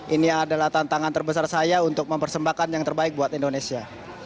ini adalah tantangan terbesar saya untuk mempersembahkan yang terbaik buat indonesia